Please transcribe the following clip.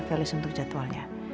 felis untuk jadwalnya